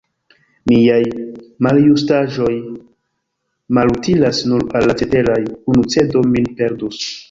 Miaj maljustaĵoj malutilas nur al la ceteraj; unu cedo min perdus.